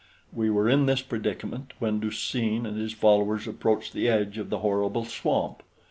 We were in this predicament when Du seen and his followers approached the edge of the horrible swamp.